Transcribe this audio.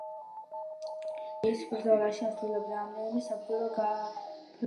მონაწილეობდა კურსკის ბრძოლაში, ასრულებდა რამდენიმე საბრძოლო გაფრენას დღეში.